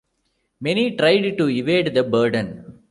Many tried to evade the burden.